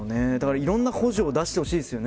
いろんな補助出してほしいですよね。